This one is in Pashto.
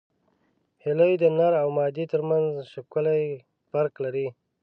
هیلۍ د نر او مادې ترمنځ ښکلی فرق لري